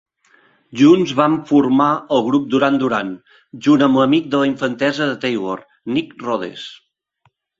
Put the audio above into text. Junts van formar el grup Duran Duran, junt amb l"amic de la infantesa de Taylor, Nick Rhodes.